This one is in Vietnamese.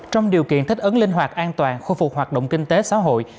trong điều kiện thích ứng linh hoạt an toàn khôi phục hoạt động kinh tế xã hội